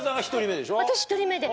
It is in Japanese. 私１人目で。